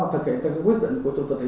thực hiện cho quyết định của chủ tịch